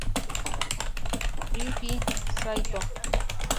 Ryuji Saito